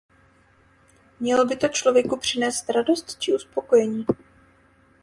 Mělo by to člověku přinést radost či uspokojení.